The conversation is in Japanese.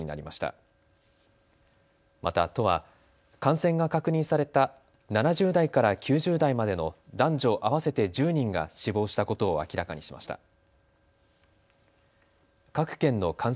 また都は感染が確認された７０代から９０代までの男女合わせて１０人が死亡したことを明らかにしました。